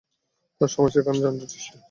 তার সমাবেশের কারণে যানজটের সৃষ্টি হয়েছে।